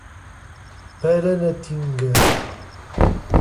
Paranatinga